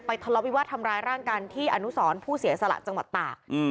ทะเลาวิวาสทำร้ายร่างกายที่อนุสรผู้เสียสละจังหวัดตาก